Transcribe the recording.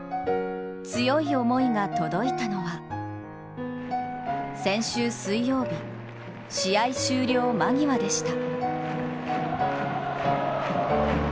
強い思いが届いたのは先週水曜日、試合終了間際でした。